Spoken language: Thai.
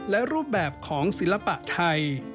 และรูปแบบของศิลปะไทย